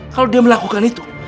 kalau dia melakukan itu